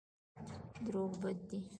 دروغ بد دی.